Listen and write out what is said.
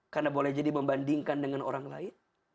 karena boleh jadi membandingkan dengan orang lain